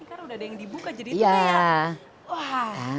ini kan udah ada yang dibuka jadi itu kayak wah